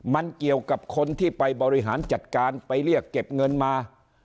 มันเกี่ยวกับคนที่ไปบริหารจัดการไปเรียกเก็บเงินมา